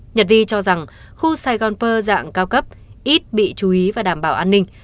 nhật vi cho rằng khu saigon pearl dạng cao cấp ít bị chú ý và đảm bảo an ninh